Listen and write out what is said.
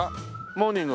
モーニング。